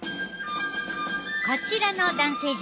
こちらの男性陣